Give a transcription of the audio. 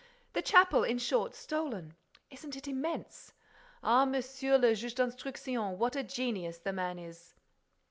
The chapel, in short, stolen! Isn't it immense? Ah, Monsieur le Juge d'Instruction, what a genius the man is!"